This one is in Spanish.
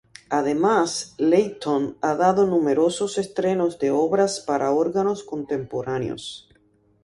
Además, Leighton ha dado numerosos estrenos de obras para órgano contemporáneos.